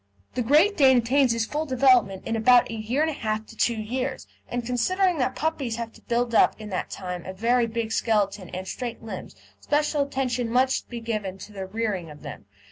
The Great Dane attains his full development in about a year and a half to two years, and, considering that puppies have to build up in that time a very big skeleton and straight limbs, special attention must be given to the rearing of them.